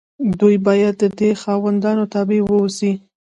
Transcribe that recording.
دوی باید د دې خاوندانو تابع واوسي.